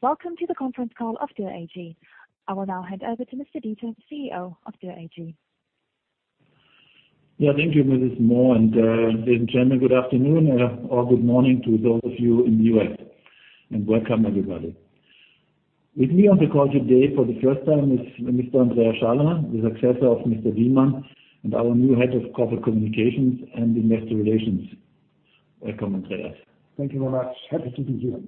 Welcome to the conference call of Dürr AG. I will now hand over to Mr. Dieter, the CEO of Dürr AG. Yeah, thank you, Mrs. Mohr, and ladies and gentlemen, good afternoon or good morning to those of you in the U.S., and welcome, everybody. With me on the call today for the first time is Mr. Andreas Schaller, the successor of Mr. Dielmann, and our new head of corporate communications and investor relations. Welcome, Andreas. Thank you very much. Happy to be here.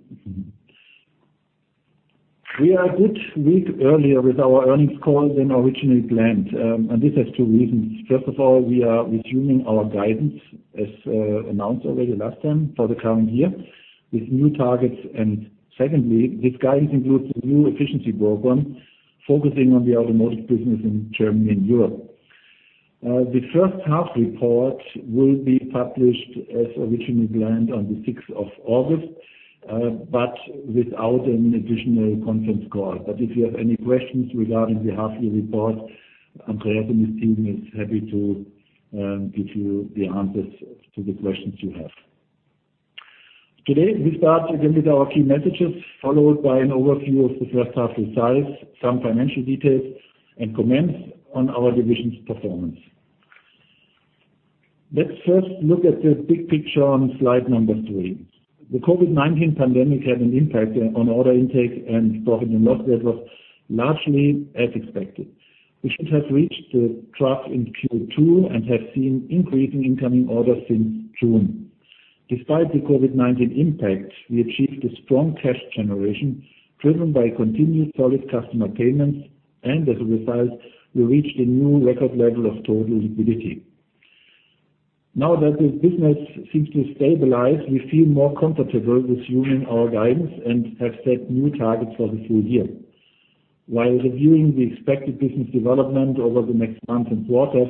We are a good week earlier with our earnings call than originally planned, and this has two reasons. First of all, we are resuming our guidance, as announced already last time, for the current year with new targets. And secondly, this guidance includes a new efficiency program focusing on the automotive business in Germany and Europe. The first half report will be published as originally planned on the 6th of August, but without an additional conference call. But if you have any questions regarding the half-year report, Andreas and his team are happy to give you the answers to the questions you have. Today, we start again with our key messages, followed by an overview of the first half results, some financial details, and comments on our division's performance. Let's first look at the big picture on slide number three. The COVID-19 pandemic had an impact on order intake and profit and loss that was largely as expected. We should have reached the trough in Q2 and have seen increasing incoming orders since June. Despite the COVID-19 impact, we achieved a strong cash generation driven by continued solid customer payments, and as a result, we reached a new record level of total liquidity. Now that the business seems to have stabilized, we feel more comfortable resuming our guidance and have set new targets for the full year. While reviewing the expected business development over the next months and quarters,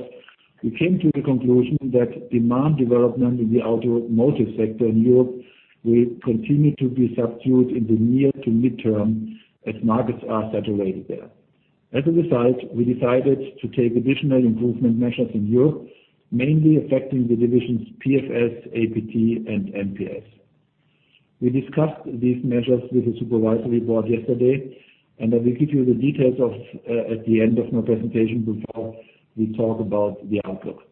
we came to the conclusion that demand development in the automotive sector in Europe will continue to be subdued in the near to midterm as markets are saturated there. As a result, we decided to take additional improvement measures in Europe, mainly affecting the division's PFS, APT, and MPS. We discussed these measures with the supervisory board yesterday, and I will give you the details at the end of my presentation before we talk about the outlook.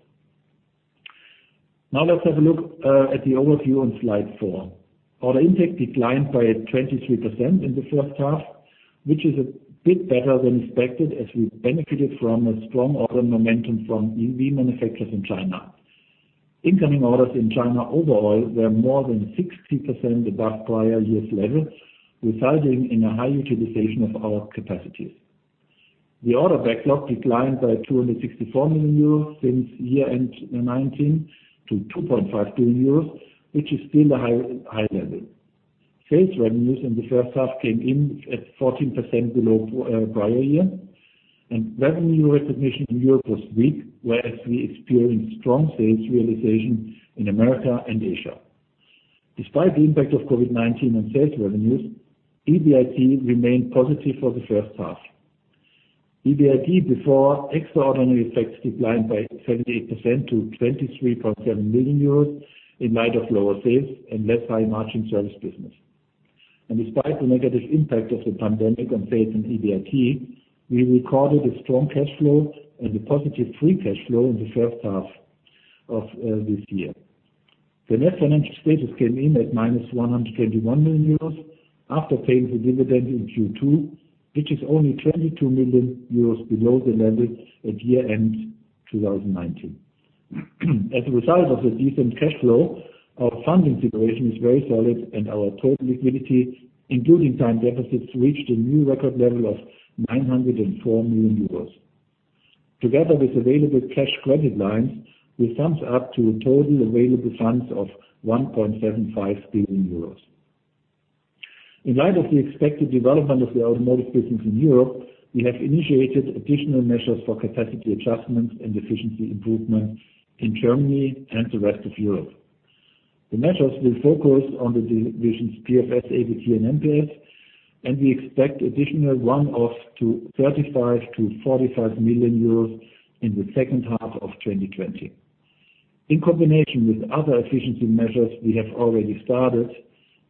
Now let's have a look at the overview on slide four. Order intake declined by 23% in the first half, which is a bit better than expected as we benefited from a strong order momentum from EV manufacturers in China. Incoming orders in China overall were more than 60% above prior year's level, resulting in a high utilization of our capacities. The order backlog declined by 264 million euros since year-end 2019 to 2.5 billion euros, which is still a high level. Sales revenues in the first half came in at 14% below prior year, and revenue recognition in Europe was weak, whereas we experienced strong sales realization in America and Asia. Despite the impact of COVID-19 on sales revenues, EBIT remained positive for the first half. EBIT before extraordinary effects declined by 78% to 23.7 million euros in light of lower sales and less high-margin service business, and despite the negative impact of the pandemic on sales and EBIT, we recorded a strong cash flow and a positive free cash flow in the first half of this year. The net financial status came in at minus 121 million euros after paying the dividend in Q2, which is only 22 million euros below the level at year-end 2019. As a result of the decent cash flow, our funding situation is very solid, and our total liquidity, including time deposits, reached a new record level of 904 million euros. Together with available cash credit lines, we summed up to a total available funds of 1.75 billion euros. In light of the expected development of the automotive business in Europe, we have initiated additional measures for capacity adjustments and efficiency improvement in Germany and the rest of Europe. The measures will focus on the division's PFS, APT, and MPS, and we expect additional one-offs of 35 million-45 million euros in the second half of 2020. In combination with other efficiency measures we have already started,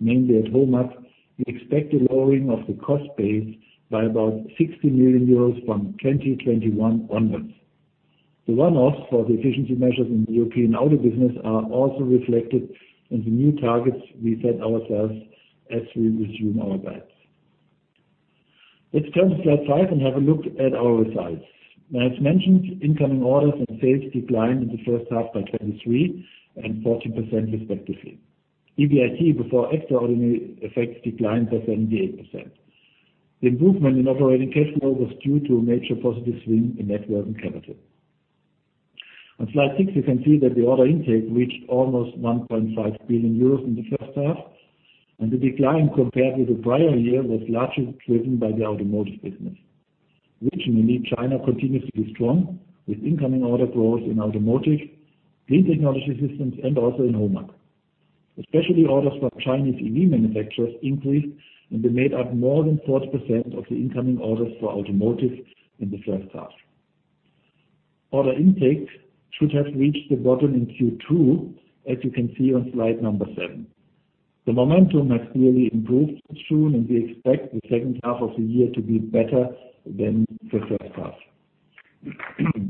mainly at HOMAG, we expect a lowering of the cost base by about 60 million euros from 2021 onwards. The one-offs for the efficiency measures in the European auto business are also reflected in the new targets we set ourselves as we resume our guidance. Let's turn to slide five and have a look at our results. As mentioned, incoming orders and sales declined in the first half by 23% and 14% respectively. EBIT before extraordinary effects declined by 78%. The improvement in operating cash flow was due to a major positive swing in net working capital. On slide six, you can see that the order intake reached almost 1.5 billion euros in the first half, and the decline compared with the prior year was largely driven by the automotive business. Regionally, China continues to be strong with incoming order growth in automotive, Clean Technology Systems, and also in HOMAG. Especially orders from Chinese EV manufacturers increased and they made up more than 40% of the incoming orders for automotive in the first half. Order intake should have reached the bottom in Q2, as you can see on slide number seven. The momentum has clearly improved soon, and we expect the second half of the year to be better than the first half.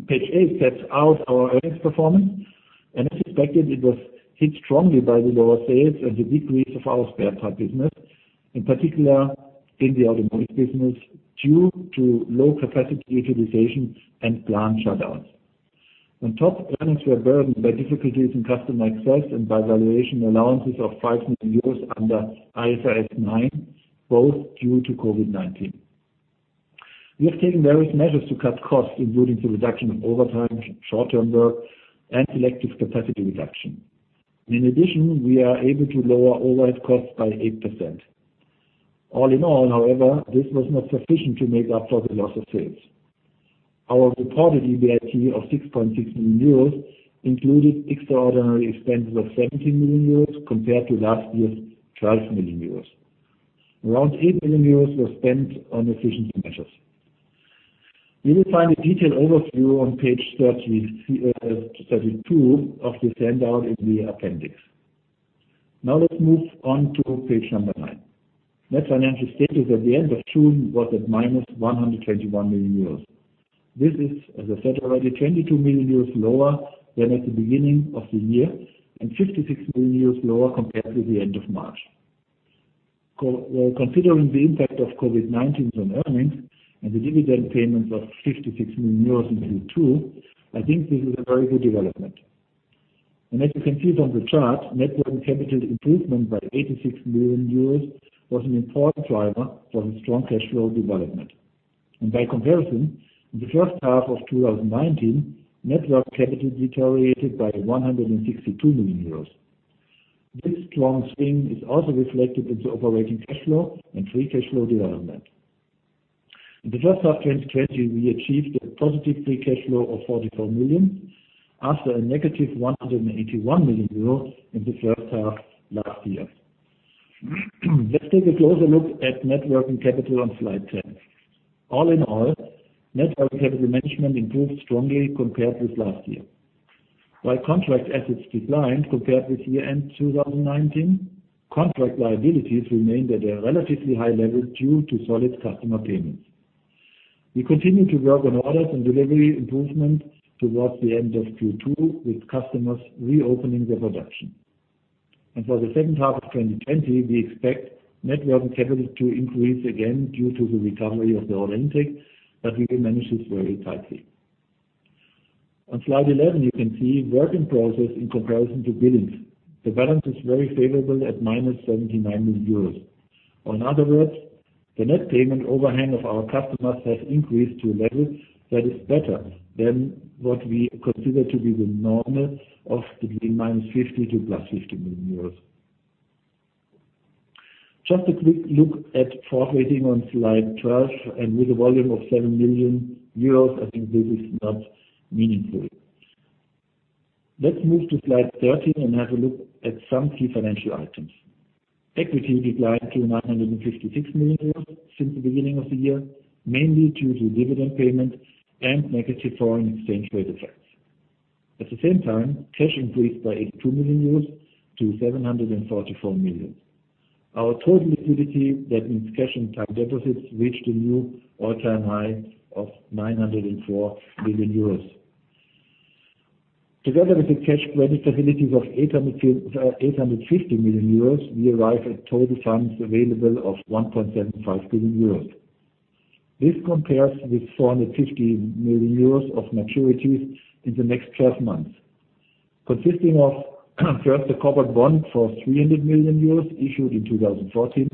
Page eight sets out our earnings performance, and as expected, it was hit strongly by the lower sales and the decrease of our spare part business, in particular in the automotive business due to low capacity utilization and plant shutdowns. On top, earnings were burdened by difficulties in customer access and by valuation allowances of 5 million euros under IFRS 9, both due to COVID-19. We have taken various measures to cut costs, including the reduction of overtime, short-term work, and selective capacity reduction. In addition, we are able to lower overhead costs by 8%. All in all, however, this was not sufficient to make up for the loss of sales. Our reported EBIT of 16.6 million euros included extraordinary expenses of 17 million euros compared to last year's 12 million euros. Around 8 million euros were spent on efficiency measures. You will find a detailed overview on page 32 of the handout in the appendix. Now let's move on to page number nine. Net financial status at the end of June was at minus 121 million euros. This is, as I said already, 22 million euros lower than at the beginning of the year and 56 million euros lower compared with the end of March. Considering the impact of COVID-19 on earnings and the dividend payments of 56 million euros in Q2, I think this is a very good development, and as you can see from the chart, net working capital improvement by 86 million euros was an important driver for the strong cash flow development, and by comparison, in the first half of 2019, net working capital deteriorated by 162 million euros. This strong swing is also reflected in the operating cash flow and free cash flow development. In the first half of 2020, we achieved a positive free cash flow of 44 million after a negative 181 million euro in the first half last year. Let's take a closer look at net working capital on slide 10. All in all, net working capital management improved strongly compared with last year. While contract assets declined compared with year-end 2019, contract liabilities remained at a relatively high level due to solid customer payments. We continue to work on orders and delivery improvement towards the end of Q2 with customers reopening their production. And for the second half of 2020, we expect net working capital to increase again due to the recovery of the order intake, but we will manage this very tightly. On slide 11, you can see work in process in comparison to billings. The balance is very favorable at minus 79 million euros. Or in other words, the net payment overhang of our customers has increased to a level that is better than what we consider to be the normal of between -50 million-+EUR 50 million. Just a quick look at forfaiting on slide 12, and with a volume of 7 million euros, I think this is not meaningful. Let's move to slide 13 and have a look at some key financial items. Equity declined to 956 million euros since the beginning of the year, mainly due to dividend payment and negative foreign exchange rate effects. At the same time, cash increased by 82 million-744 million euros. Our total liquidity, that means cash and time deposits, reached a new all-time high of 904 million euros. Together with the cash credit lines of 850 million euros, we arrive at total funds available of 1.75 billion euros. This compares with 450 million euros of maturities in the next 12 months, consisting of first a corporate bond for 300 million euros issued in 2014,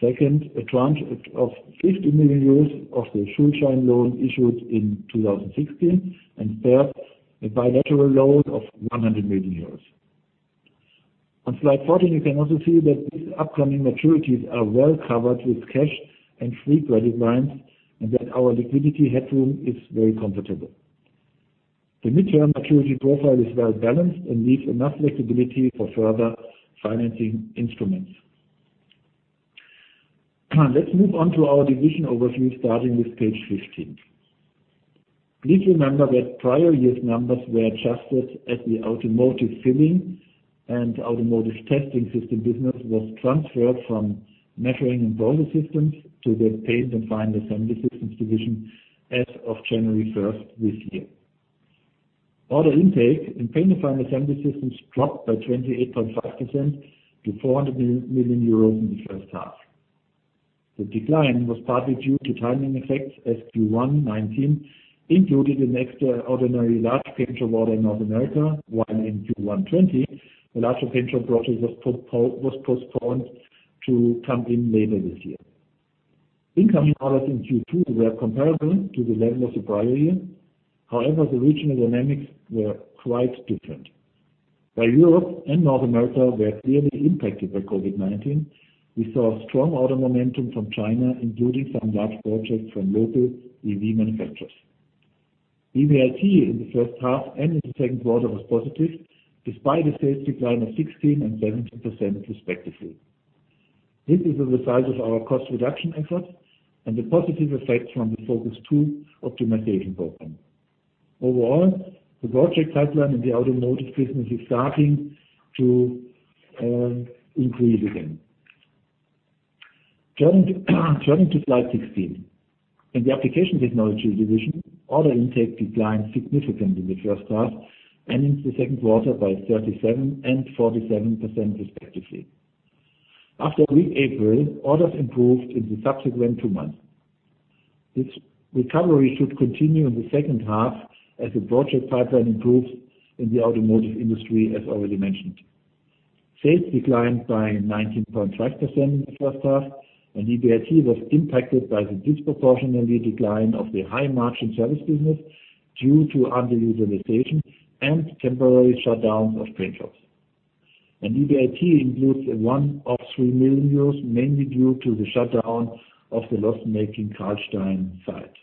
second a tranche of 50 million euros of the Schuldschein loan issued in 2016, and third a bilateral loan of 100 million euros. On slide 14, you can also see that these upcoming maturities are well covered with cash and cash credit lines, and that our liquidity headroom is very comfortable. The medium-term maturity profile is well balanced and leaves enough flexibility for further financing instruments. Let's move on to our division overview starting with page 15. Please remember that prior year's numbers were adjusted as the automotive painting and automotive testing systems business was transferred from measuring and process systems to the paint and final assembly systems division as of January 1st this year. Order intake in Paint and Final Assembly Systems dropped by 28.5% to 400 million euros in the first half. The decline was partly due to timing effects as Q1 2019 included an extraordinary large paint shop order in North America, while in Q1 2020, a larger paint shop project was postponed to come in later this year. Incoming orders in Q2 were comparable to the level of the prior year. However, the regional dynamics were quite different. While Europe and North America were clearly impacted by COVID-19, we saw strong order momentum from China, including some large projects from local EV manufacturers. EBIT in the first half and in the second quarter was positive, despite the sales decline of 16% and 17% respectively. This is a result of our cost reduction efforts and the positive effects from the FOCUS 2.0 optimization program. Overall, the growth pipeline in the automotive business is starting to increase again. Turning to slide 16, in the application technology division, order intake declined significantly in the first half and in the second quarter by 37% and 47% respectively. After a weak April, orders improved in the subsequent two months. This recovery should continue in the second half as the growth pipeline improves in the automotive industry, as already mentioned. Sales declined by 19.5% in the first half, and EBIT was impacted by the disproportionate decline of the high-margin service business due to underutilization and temporary shutdowns of paint shops. EBIT includes a loss of 3 million euros, mainly due to the shutdown of the loss-making Karlstein site.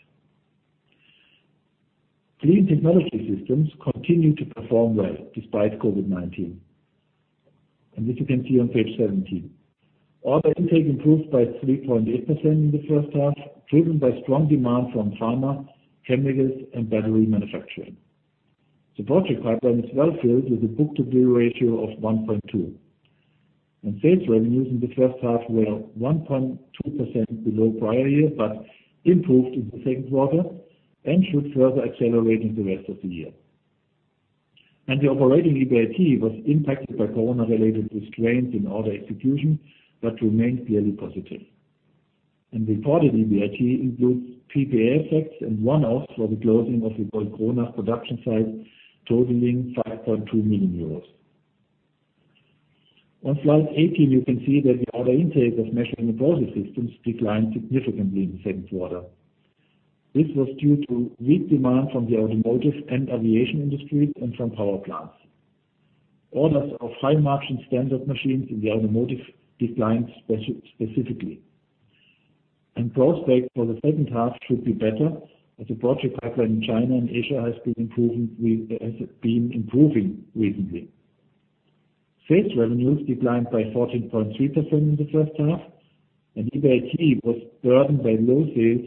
Clean Technology Systems continue to perform well despite COVID-19, and this you can see on page 17. Order intake improved by 3.8% in the first half, driven by strong demand from pharma, chemicals, and battery manufacturing. The growth pipeline is well filled with a book-to-bill ratio of 1.2. And sales revenues in the first half were 1.2% below prior year, but improved in the second quarter and should further accelerate in the rest of the year. And the operating EBIT was impacted by corona-related restraints in order execution, but remained clearly positive. And reported EBIT includes PPA effects and one-offs for the closing of the corona production sites, totaling 5.2 million euros. On slide 18, you can see that the order intake of Measuring and Process Systems declined significantly in the second quarter. This was due to weak demand from the automotive and aviation industries and from power plants. Orders of high-margin standard machines in the automotive declined specifically. And growth pace for the second half should be better as the project pipeline in China and Asia has been improving recently. Sales revenues declined by 14.3% in the first half, and EBIT was burdened by low sales,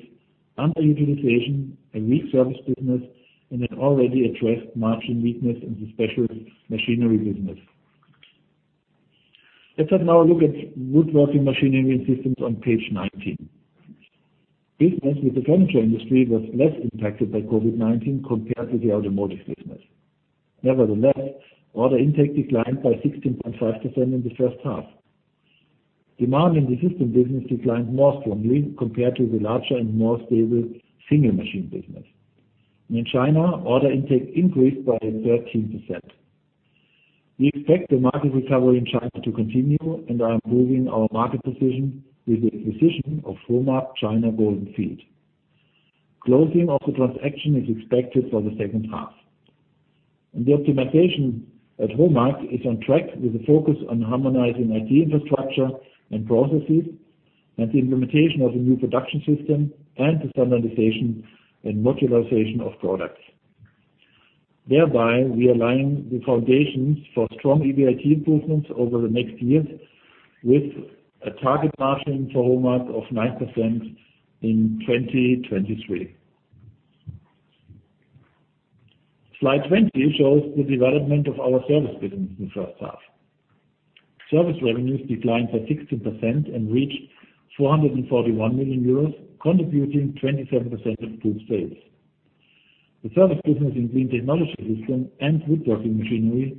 underutilization, a weak service business, and an already addressed margin weakness in the special machinery business. Let's now have a look at woodworking machinery and systems on page 19. Business with the furniture industry was less impacted by COVID-19 compared with the automotive business. Nevertheless, order intake declined by 16.5% in the first half. Demand in the system business declined more strongly compared to the larger and more stable single machine business. And in China, order intake increased by 13%. We expect the market recovery in China to continue, and I am improving our market position with the acquisition of HOMAG China Golden Field. Closing of the transaction is expected for the second half. The optimization at HOMAG is on track with the focus on harmonizing IT infrastructure and processes and the implementation of a new production system and the standardization and modularization of products. Thereby, we align the foundations for strong EBIT improvements over the next years with a target margin for HOMAG of 9% in 2023. Slide 20 shows the development of our service business in the first half. Service revenues declined by 16% and reached 441 million euros, contributing 27% of group sales. The service business in Clean Technology Systems and woodworking machinery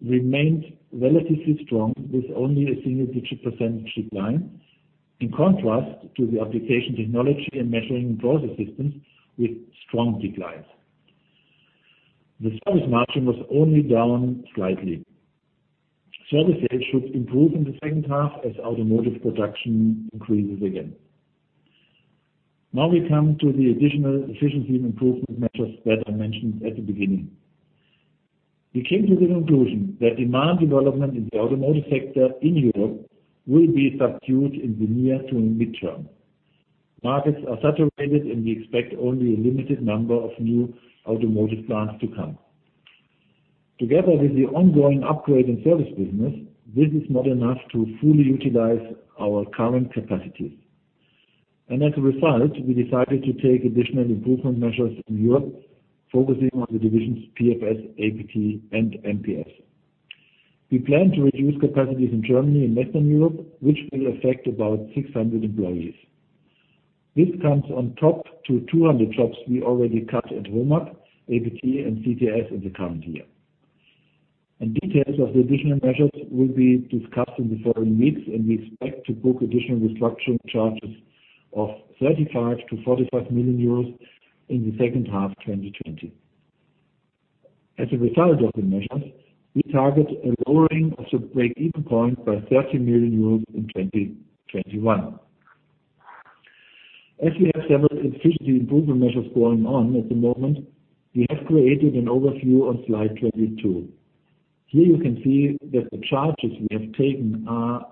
remained relatively strong with only a single-digit percent decline, in contrast to the application technology and Measuring and Process Systems with strong declines. The service margin was only down slightly. Service sales should improve in the second half as automotive production increases again. Now we come to the additional efficiency and improvement measures that I mentioned at the beginning. We came to the conclusion that demand development in the automotive sector in Europe will be subdued in the near- to medium-term. Markets are saturated, and we expect only a limited number of new automotive plants to come. Together with the ongoing upgrade in service business, this is not enough to fully utilize our current capacities. And as a result, we decided to take additional improvement measures in Europe, focusing on the divisions PFS, APT, and MPS. We plan to reduce capacities in Germany and Western Europe, which will affect about 600 employees. This comes on top to 200 jobs we already cut at HOMAG, APT, and CTS in the current year. Details of the additional measures will be discussed in the following weeks, and we expect to book additional restructuring charges of 35-45 million euros in the second half 2020. As a result of the measures, we target a lowering of the break-even point by 30 million euros in 2021. As we have several efficiency improvement measures going on at the moment, we have created an overview on slide 22. Here you can see that the charges we have taken and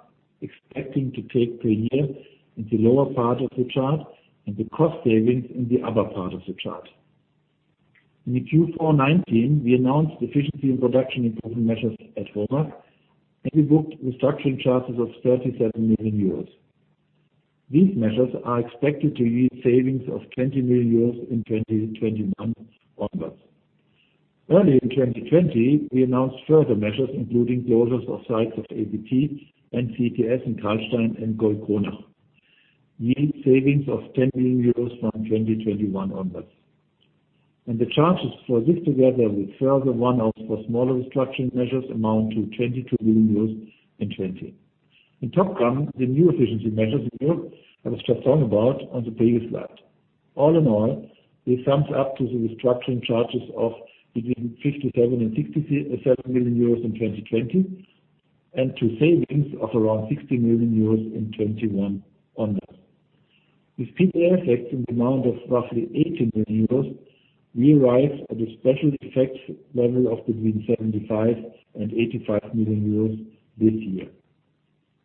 expect to take per year in the lower part of the chart and the cost savings in the upper part of the chart. In Q4 2019, we announced efficiency and production improvement measures at HOMAG, and we booked restructuring charges of 37 million euros. These measures are expected to yield savings of 20 million euros in 2021 onwards. Early in 2020, we announced further measures, including closures of sites of APT and CTS in Karlstein and Goldkronach, yielding savings of 10 million euros from 2021 onwards. The charges for this together with further one-offs for smaller restructuring measures amount to 22 million euros in 2020. In the PFS, the new efficiency measures in Europe I was just talking about on the previous slide. All in all, this sums up to the restructuring charges of between 57 million and 67 million euros in 2020 and to savings of around 60 million euros in 2021 onwards. With PPA effects amounting to roughly 80 million euros, we arrive at a special effects level of between 75 million and 85 million euros this year.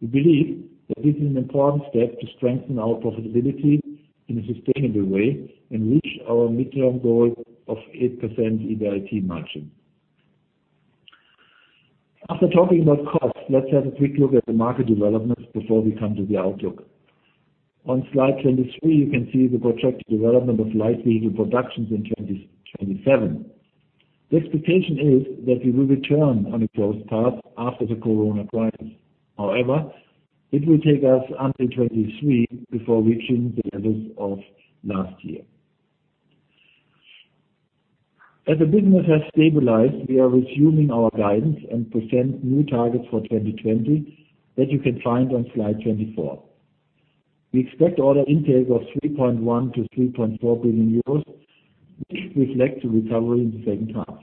We believe that this is an important step to strengthen our profitability in a sustainable way and reach our midterm goal of 8% EBIT margin. After talking about costs, let's have a quick look at the market developments before we come to the outlook. On slide 23, you can see the projected development of light vehicle productions in 2027. The expectation is that we will return on a growth path after the corona crisis. However, it will take us until 2023 before reaching the levels of last year. As the business has stabilized, we are resuming our guidance and present new targets for 2020 that you can find on slide 24. We expect order intake of 3.1 billion-3.4 billion euros, which reflects the recovery in the second half.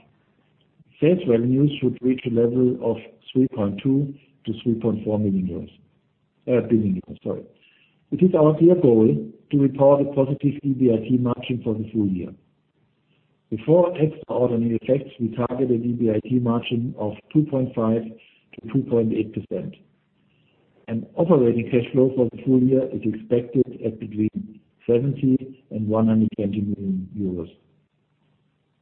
Sales revenues should reach a level of 3.2 billion-3.4 billion euros. Sorry. It is our clear goal to report a positive EBIT margin for the full year. Before extra ordering effects, we target an EBIT margin of 2.5%-2.8%. Operating cash flow for the full year is expected at between 70 million and 120 million euros.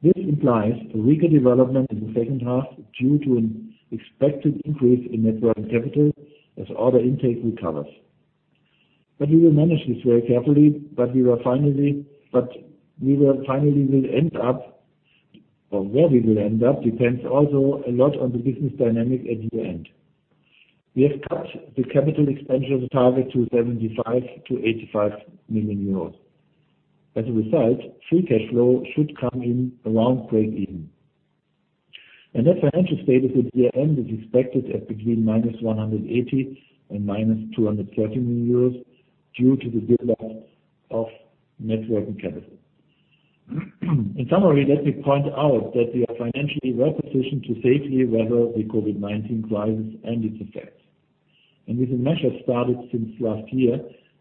This implies a weaker development in the second half due to an expected increase in net working capital as order intake recovers. We will manage this very carefully, but we will finally end up, or where we will end up depends also a lot on the business dynamic at year end. We have cut the capital expenditure target to 75 million to 85 million euros. As a result, free cash flow should come in around break-even. The net financial status at year end is expected at between -180 million and -230 million euros due to the buildup of net working capital. In summary, let me point out that we are financially well positioned to safely weather the COVID-19 crisis and its effects. And with the measures started since last year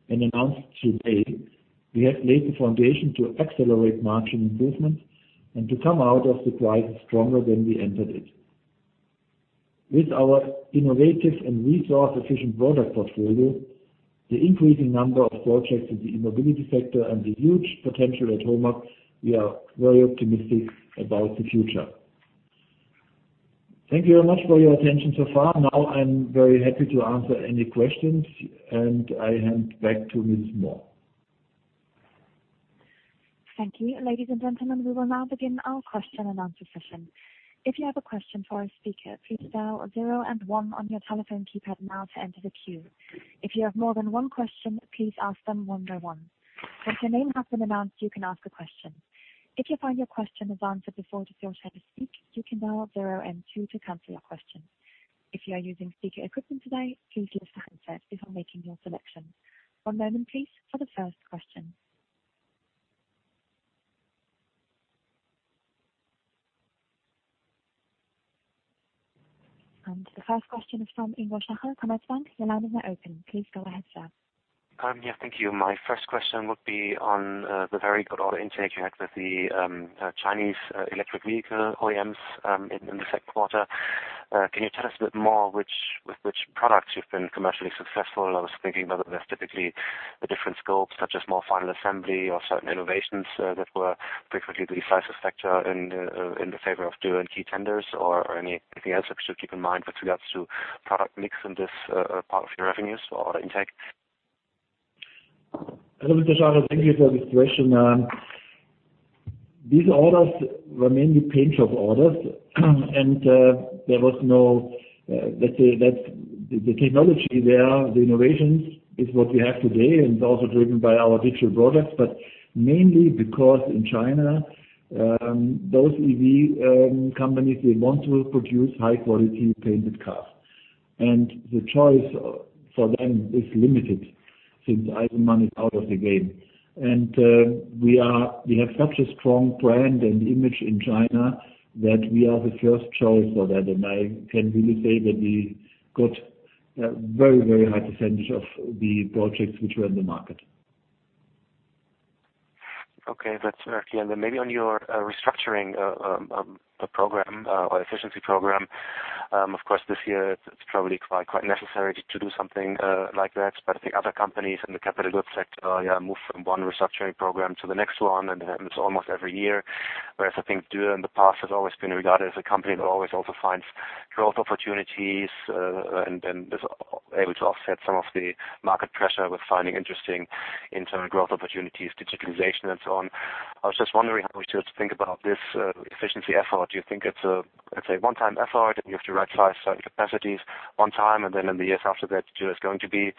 and announced today, we have laid the foundation to accelerate margin improvement and to come out of the crisis stronger than we entered it. With our innovative and resource-efficient product portfolio, the increasing number of projects in the e-mobility sector, and the huge potential at HOMAG, we are very optimistic about the future. Thank you very much for your attention so far. Now I'm very happy to answer any questions, and I hand back to Mrs. Mohr. Thank you, ladies and gentlemen. We will now begin our question and answer session. If you have a question for our speaker, please dial zero and one on your telephone keypad now to enter the queue. If you have more than one question, please ask them one by one. Once your name has been announced, you can ask a question. If you find your question is answered before the first speaker, you can dial zero and two to cancel your question. If you are using speaker equipment today, please use the handset before making your selection. One moment, please, for the first question. And the first question is from Ingo Schaller, Commerzbank. Your line is now open. Please go ahead, sir. Yes, thank you. My first question would be on the very good order intake you had with the Chinese electric vehicle OEMs in the second quarter. Can you tell us a bit more with which products you've been commercially successful? I was thinking whether there's typically a different scope, such as more final assembly or certain innovations that were frequently the decisive factor in the favor of Dürr and key tenders, or anything else that we should keep in mind with regards to product mix in this part of your revenues for order intake? Hello, Mr. Schaller. Thank you for this question. These orders were mainly paint shop orders, and there was no, let's say, the technology there, the innovations, is what we have today and also driven by our digital products, but mainly because in China, those EV companies, they want to produce high-quality painted cars. And the choice for them is limited since Eisenmann is out of the game. And we have such a strong brand and image in China that we are the first choice for that. And I can really say that we got a very, very high percentage of the projects which were in the market. Okay, that's very clear. And then maybe on your restructuring program or efficiency program, of course, this year, it's probably quite necessary to do something like that. But I think other companies in the capital goods sector move from one restructuring program to the next one, and it's almost every year. Whereas I think Dürr in the past has always been regarded as a company that always also finds growth opportunities and is able to offset some of the market pressure with finding interesting internal growth opportunities, digitalization, and so on. I was just wondering how we should think about this efficiency effort. Do you think it's a, let's say, one-time effort, and you have to right-size certain capacities one time, and then in the years after that, Dürr is going to be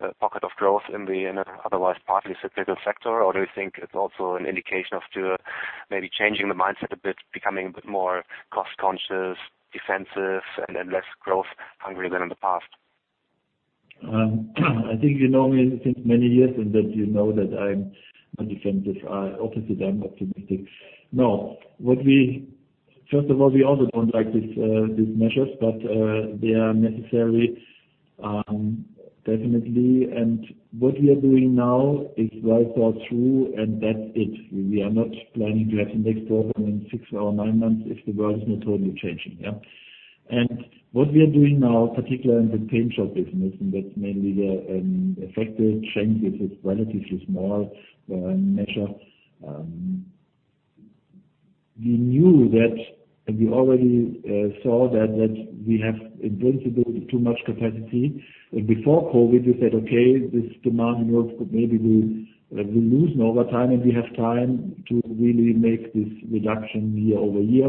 a pocket of growth in the otherwise partly cyclical sector? Or do you think it's also an indication of Dürr maybe changing the mindset a bit, becoming a bit more cost-conscious, defensive, and less growth-hungry than in the past? I think you know me since many years, and that you know that I'm pessimistic. Opposite, I'm optimistic. No. First of all, we also don't like these measures, but they are necessary, definitely. And what we are doing now is well thought through, and that's it. We are not planning to have the next program in six or nine months if the world is not totally changing, yeah? And what we are doing now, particularly in the paint shop business, and that's mainly the efficiency change, which is relatively small measure, we knew that, and we already saw that we have, in principle, too much capacity. Before COVID, we said, "Okay, this demand in Europe could maybe we lose over time, and we have time to really make this reduction year over year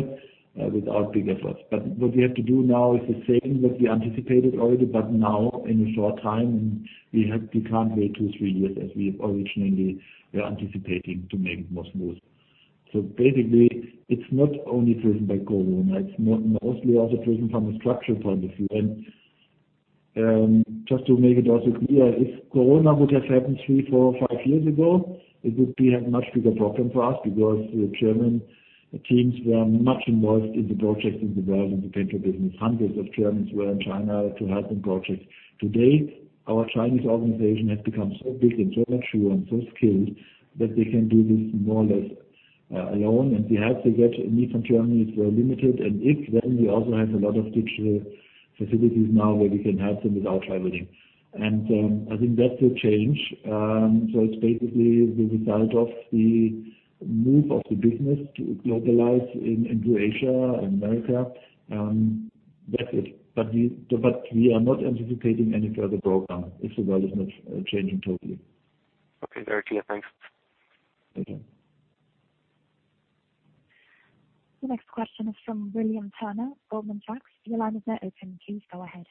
without big efforts." But what we have to do now is the same that we anticipated already, but now in a short time, and we can't wait two, three years as we originally were anticipating to make it more smooth. Basically, it's not only driven by corona. It's mostly also driven from a structural point of view. Just to make it also clear, if corona would have happened three, four, or five years ago, it would be a much bigger problem for us because the German teams were much involved in the projects in the world in the paint shop business. Hundreds of Germans were in China to help them project. Today, our Chinese organization has become so big and so mature and so skilled that they can do this more or less alone, and the help they get indeed from Germany is very limited, and even then we also have a lot of digital facilities now where we can help them without traveling, and I think that's a change, so it's basically the result of the move of the business to globalize into Asia and America. That's it, but we are not anticipating any further program if the world is not changing totally. Okay, very clear. Thanks. Take care. The next question is from William Turner, Goldman Sachs. Your line is now open. Please go ahead.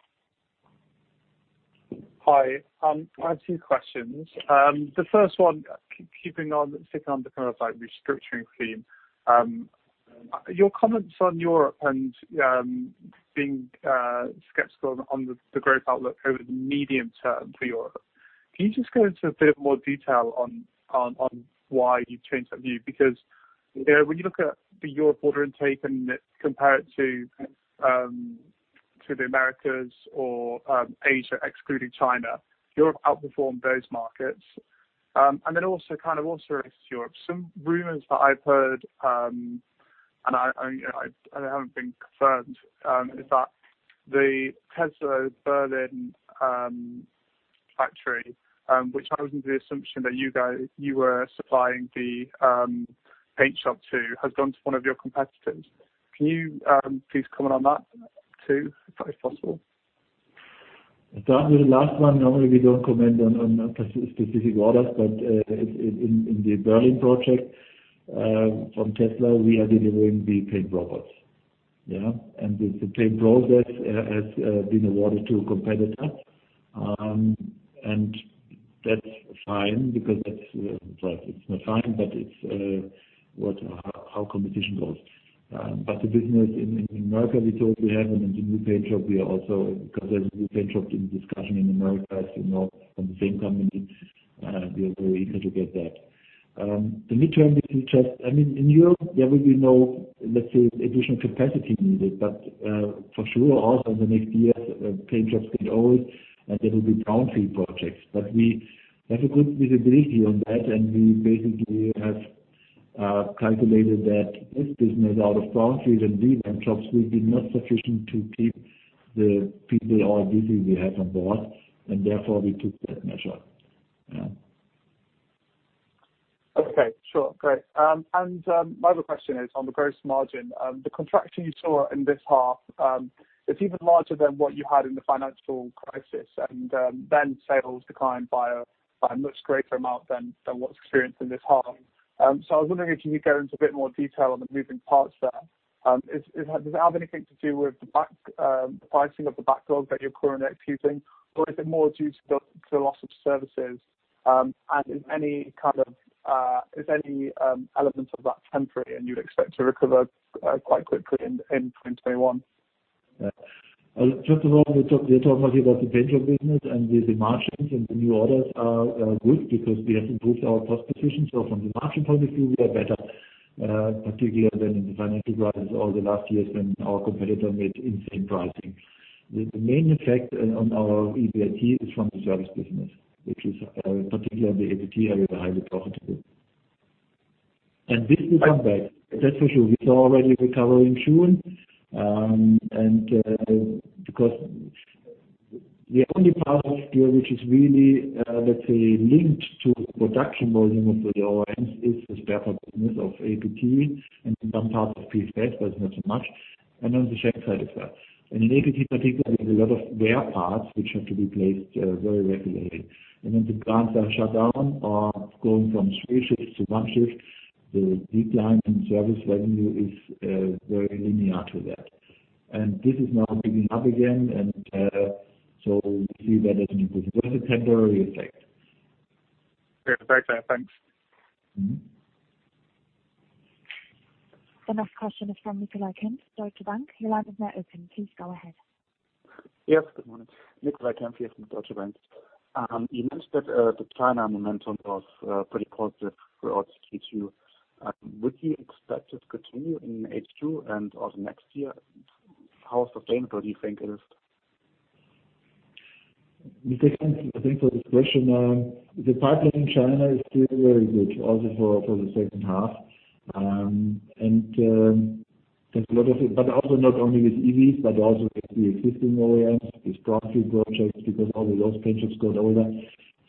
Hi. I have two questions. The first one, keeping on sticking on the kind of restructuring theme, your comments on Europe and being skeptical on the growth outlook over the medium term for Europe, can you just go into a bit more detail on why you've changed that view? Because when you look at the Europe order intake and compare it to the Americas or Asia, excluding China, Europe outperformed those markets. And then also kind of relates to Europe. Some rumors that I've heard, and they haven't been confirmed, is that the Tesla Berlin factory, which I was under the assumption that you were supplying the paint shop to, has gone to one of your competitors. Can you please comment on that too, if possible? The last one, normally we don't comment on specific orders, but in the Berlin project from Tesla, we are delivering the paint robots, yeah? And the paint shop has been awarded to a competitor. And that's fine because that's right. It's not fine, but it's how competition goes. But the business in America, we have a new paint shop. We are also, because there's a new paint shop in discussion in America, as you know, from the same company, we are very eager to get that. The midterm is just, I mean, in Europe, there will be no, let's say, additional capacity needed. But for sure, also in the next year, paint shops get old, and there will be brownfield projects. But we have a good visibility on that, and we basically have calculated that this business out of brownfield and greenfield jobs will be not sufficient to keep the people all busy we have on board, and therefore we took that measure, yeah? Okay, sure. Great. And my other question is on the gross margin. The contraction you saw in this half, it's even larger than what you had in the financial crisis, and then sales declined by a much greater amount than what's experienced in this half. So I was wondering if you could go into a bit more detail on the moving parts there. Does it have anything to do with the pricing of the backlog that you're currently executing, or is it more due to the loss of services? And is any element of that temporary, and you'd expect to recover quite quickly in 2021? Yeah. First of all, the order intake for the paint shop business and the margins and the new orders are good because we have improved our cost position. So from the margin point of view, we are better, particularly than in the financial crisis or the last years when our competitor made insane pricing. The main effect on our EBIT is from the service business, which is particularly the APT area, highly profitable, and this will come back. That's for sure. We saw already recovery in June. And because the only part of Dürr, which is really, let's say, linked to the production volume of the OEMs, is the spare part business of APT and some parts of PFS, but not so much, and on the Schenck side as well, and in APT, particularly, there's a lot of spare parts which have to be replaced very regularly. And when the plants are shut down or going from three shifts to one shift, the decline in service revenue is very linear to that. And this is now picking up again, and so we see that as an improvement. That's a temporary effect. Very exciting. Thanks. The next question is from Nikolai Kempf, Deutsche Bank. Your line is now open. Please go ahead. Yes, good morning. Nikolai Kempf here from Deutsche Bank. You mentioned that the China momentum was pretty positive throughout the Q2. Would you expect it to continue in H2 and also next year? How sustainable do you think it is? It depends on the question. The pipeline in China is still very good, also for the second half. And there's a lot of, but also not only with EVs, but also with the existing OEMs, the spark fuel projects, because all those paint shops got older.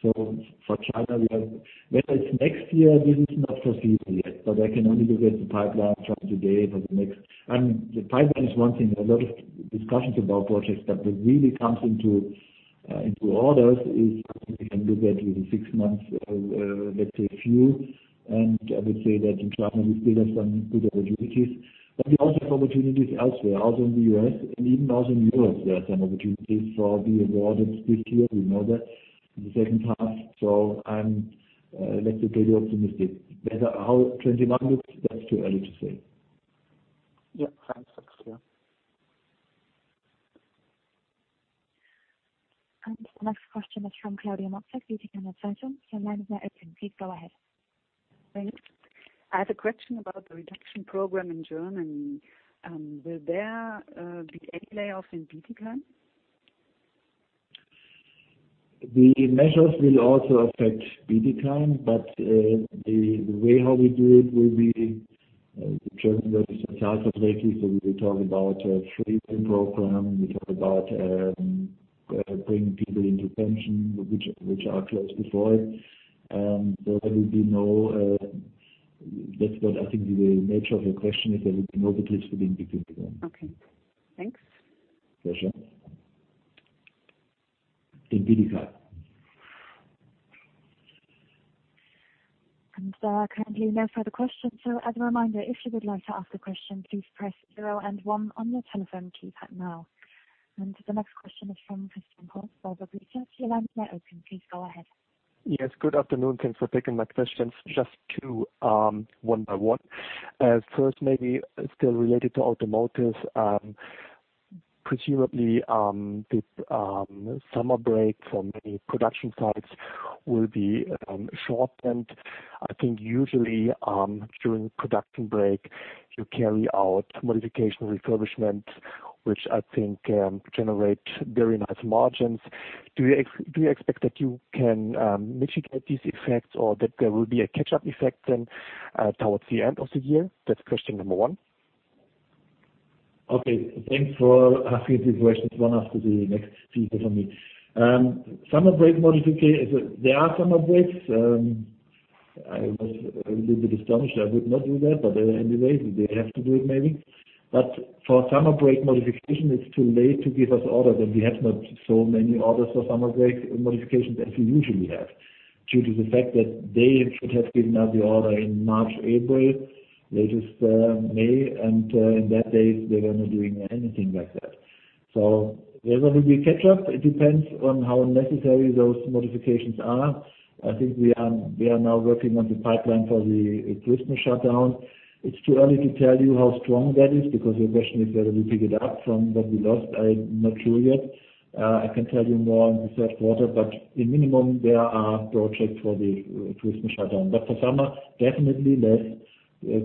So for China, we have, whether it's next year, this is not foreseeable yet, but I can only look at the pipeline from today for the next. And the pipeline is one thing. There are a lot of discussions about projects, but what really comes into orders is something we can look at with a six-month, let's say, view. And I would say that in China, we still have some good opportunities. But we also have opportunities elsewhere, also in the U.S., and even also in Europe. There are some opportunities for being awarded this year. We know that in the second half. So I'm, let's say, pretty optimistic. How 2021 looks, that's too early to say. Yeah, thanks. That's clear. And the next question is from Claudia Matheux, BTKM Advertising. Your line is now open. Please go ahead. Thanks. I have a question about the reduction program in Germany. Will there be any layoffs in BTKM? The measures will also affect BTKM, but the way how we do it will be German versus the south of Europe, so we will talk about freezing program. We talk about bringing people into pension, who are close to it. So there will be no, that's what I think the nature of your question is, there will be no discrimination between the two. Okay. Thanks. Pleasure. There are currently no further questions. As a reminder, if you would like to ask a question, please press zero and one on your telephone keypad now. The next question is from Christian Cohrs, Warburg Research. Your line is now open. Please go ahead. Yes, good afternoon. Thanks for taking my questions. Just two, one by one. First, maybe still related to automotive. Presumably, the summer break for many production sites will be shortened. I think usually during production break, you carry out modification refurbishments, which I think generate very nice margins. Do you expect that you can mitigate these effects or that there will be a catch-up effect then towards the end of the year? That's question number one. Okay. Thanks for asking these questions one after the other, please for me. Summer break modifications, there are summer breaks. I was a little bit astonished. I would not do that, but anyway, they have to do it maybe, but for summer break modifications, it's too late to give us orders, and we have not so many orders for summer break modifications as we usually have due to the fact that they should have given us the order in March, April, latest May, and in those days, they were not doing anything like that, so whether there will be a catch-up, it depends on how necessary those modifications are. I think we are now working on the pipeline for the Christmas shutdown. It's too early to tell you how strong that is because your question is whether we pick it up from what we lost. I'm not sure yet. I can tell you more in the third quarter, but at minimum, there are projects for the Christmas shutdown, but for summer, definitely less,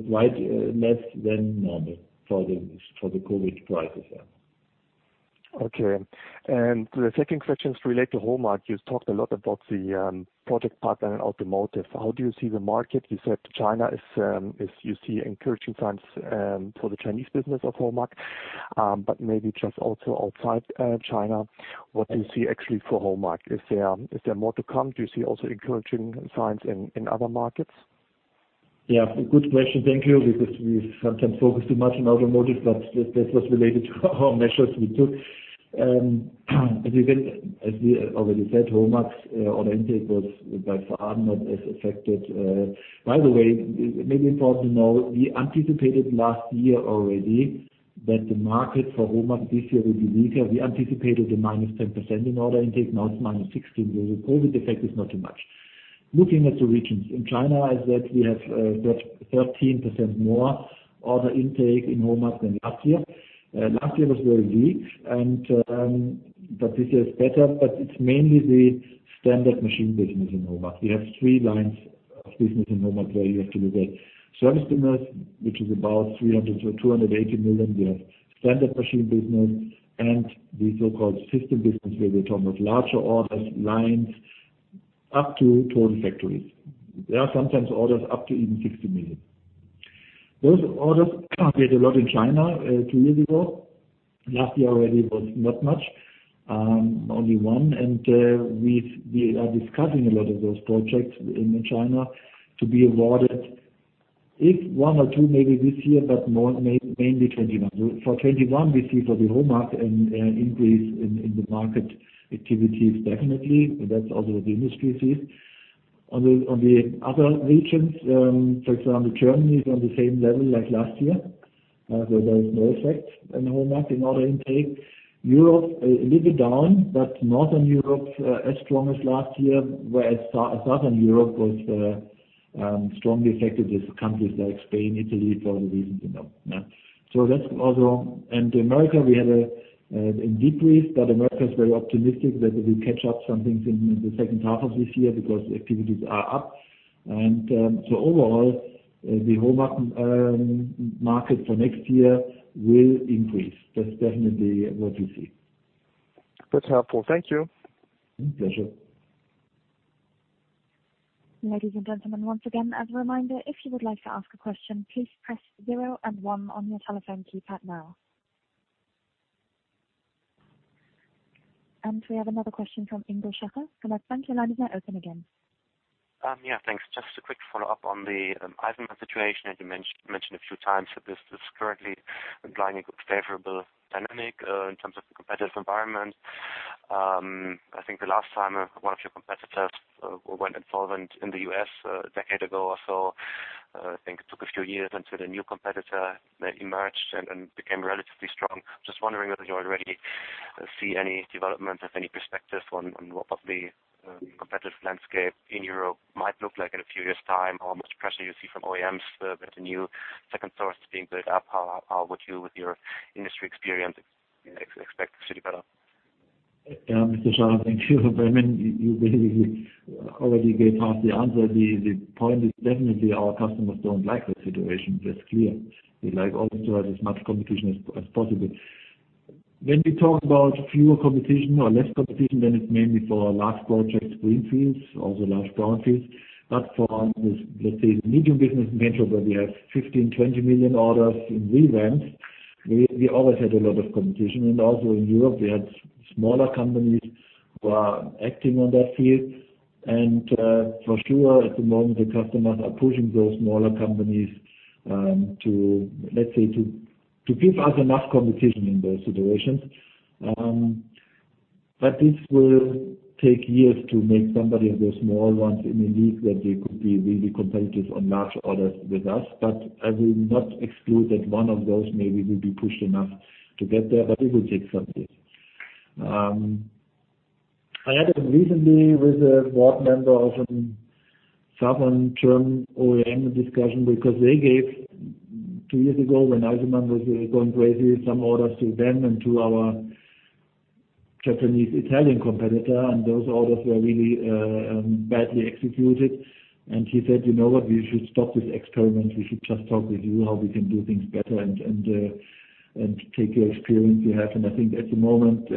quite less than normal for the COVID-19 crisis, yeah. Okay. And the second question is related to HOMAG. You talked a lot about the project partner in automotive. How do you see the market? You said China is, you see encouraging signs for the Chinese business of HOMAG, but maybe just also outside China. What do you see actually for HOMAG? Is there more to come? Do you see also encouraging signs in other markets? Yeah. Good question. Thank you because we sometimes focus too much on automotive, but that was related to our measures we took. As we already said, HOMAG's order intake was by far not as affected. By the way, maybe important to know, we anticipated last year already that the market for HOMAG this year will be weaker. We anticipated a -10% in order intake. Now it's -16%, so the COVID effect is not too much. Looking at the regions, in China, as I said, we have 13% more order intake in HOMAG than last year. Last year was very weak, but this year is better. But it's mainly the standard machine business in HOMAG. We have three lines of business in HOMAG where you have to look at service business, which is about 380 million. We have standard machine business and the so-called system business where we're talking about larger orders, lines up to total factories. There are sometimes orders up to even 60 million. Those orders appeared a lot in China two years ago. Last year already was not much, only one. And we are discussing a lot of those projects in China to be awarded, if one or two maybe this year, but mainly 2021. So for 2021, we see for the automotive an increase in the market activity is definitely, and that's also what the industry sees. On the other regions, for example, Germany is on the same level like last year, where there is no effect in automotive in order intake. Europe a little bit down, but northern Europe as strong as last year, whereas southern Europe was strongly affected as countries like Spain, Italy, for the reasons you know, yeah? That's also in America. We had a delay, but America is very optimistic that we'll catch up some things in the second half of this year because the activities are up. And so overall, the aftermarket for next year will increase. That's definitely what we see. That's helpful. Thank you. My pleasure. Ladies and gentlemen, once again, as a reminder, if you would like to ask a question, please press zero and one on your telephone keypad now. We have another question from Ingo Schaller. Thanks. Your line is now open again. Yeah, thanks. Just a quick follow-up on the Eisenmann situation, as you mentioned a few times. This is currently implying a good favorable dynamic in terms of the competitive environment. I think the last time one of your competitors went insolvent in the U.S. a decade ago or so, I think it took a few years until a new competitor emerged and became relatively strong. Just wondering whether you already see any development of any perspective on what the competitive landscape in Europe might look like in a few years' time, how much pressure you see from OEMs with the new second source being built up. How would you, with your industry experience, expect this to develop? Yeah, Mr. Schaller, thank you. I mean, you basically already gave half the answer. The point is definitely our customers don't like the situation. That's clear. They like as much competition as possible. When we talk about fewer competition or less competition, then it's mainly for large projects, greenfields, also large brownfields. But for, let's say, the medium business venture, where we have 15-20 million orders in revamps, we always had a lot of competition. And also in Europe, we had smaller companies who are acting in that field. And for sure, at the moment, the customers are pushing those smaller companies to, let's say, give us enough competition in those situations. But this will take years to make some of those small ones in a league where they could be really competitive on large orders with us. But I will not exclude that one of those maybe will be pushed enough to get there, but it will take some years. I had a recently with a board member of a southern German OEM discussion because they gave, two years ago, when Eisenmann was going crazy, some orders to them and to our Japanese-Italian competitor. And those orders were really badly executed. And he said, "You know what? We should stop this experiment. We should just talk with you how we can do things better and take your experience we have." And I think at the moment,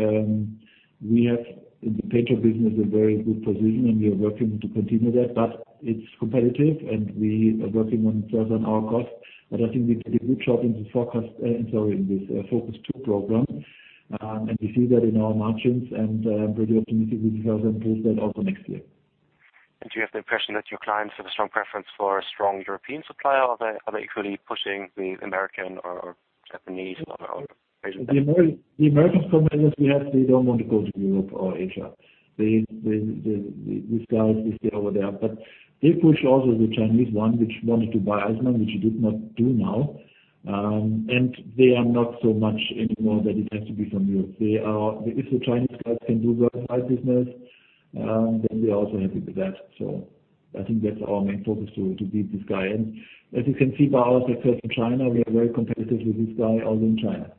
we have in the paint shop business a very good position, and we are working to continue that. But it's competitive, and we are working on our costs. But I think we did a good job in the forecast, sorry, in this FOCUS 2.0 program. We see that in our margins, and I'm pretty optimistic we will also improve that also next year. Do you have the impression that your clients have a strong preference for a strong European supplier, or are they equally pushing the American or Japanese or Asian? The American suppliers we have, they don't want to go to Europe or Asia. These guys will stay over there, but they push also the Chinese one, which wanted to buy Eisenmann, which it did not do now, and they are not so much anymore that it has to be from Europe. If the Chinese guys can do worldwide business, then we are also happy with that, so I think that's our main focus, to beat this guy, and as you can see by our success in China, we are very competitive with this guy also in China.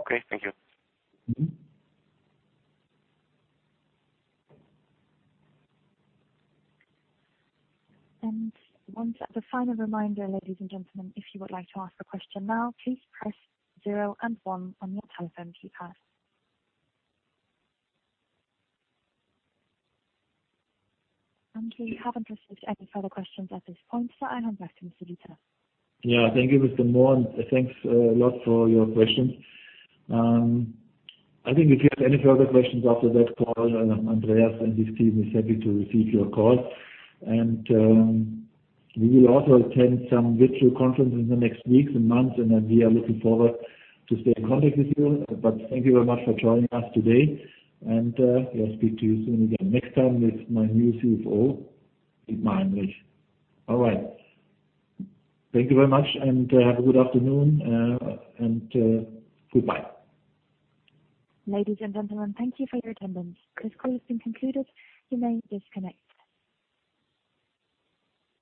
Okay. Thank you. And the final reminder, ladies and gentlemen, if you would like to ask a question now, please press zero and one on your telephone keypad. And we haven't received any further questions at this point, so I hand back to Mr. Dieter. Yeah, thank you, Mrs. Mohr, and thanks a lot for your questions. I think if you have any further questions after that, please Andreas and his team is happy to receive your call. And we will also attend some virtual conferences in the next weeks and months, and we are looking forward to stay in contact with you. But thank you very much for joining us today. And we'll speak to you soon again. Next time with my new CFO, Dietmar Heinrich. All right. Thank you very much, and have a good afternoon, and goodbye. Ladies and gentlemen, thank you for your attendance. This call has been concluded. You may disconnect.